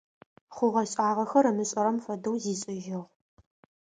Хъугъэ-шӀагъэхэр ымышӀэрэм фэдэу зишӀыжьыгъ.